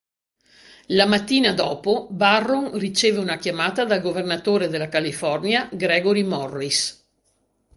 La mattina dopo, Barron riceve una chiamata dal governatore della California, Gregory Morris.